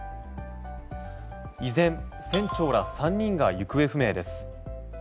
依然、船長ら３人が行方不明です。